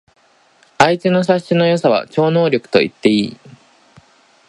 あいつの察しの良さは超能力と言っていい